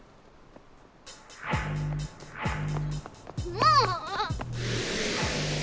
もう！